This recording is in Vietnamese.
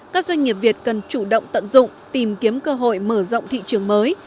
các doanh nghiệp việt cần chủ động tận dụng tìm kiếm cơ hội mở rộng thị trường mới